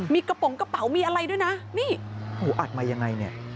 มีกระป๋องกระเป๋ามีอะไรด้วยนะนี่หูอัดมายังไงเนี่ย